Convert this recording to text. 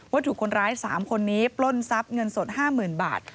ถูกคนร้าย๓คนนี้ปล้นทรัพย์เงินสด๕๐๐๐บาท